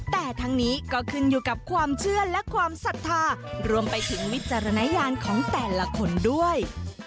แต่ทั้งนี้ก็ขึ้นอยู่กับความเชื่อและความศรัทธารวมไปถึงวิจารณญาณของแต่ละคนด้วย